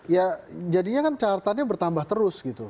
ya jadinya kan caratannya bertambah terus gitu